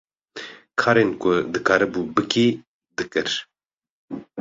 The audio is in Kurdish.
Karên ku dikarîbû bikî, dikir.